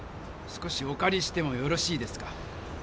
少しおかりしてもよろしいですか？